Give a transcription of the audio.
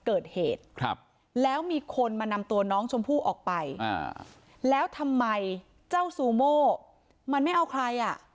เกิดเหตุครับแล้วมีคนมานำตัวน้องชมพู่ออกไปอ่าแล้วทำไมเจ้าซูโม่มันไม่เอาใครอ่ะ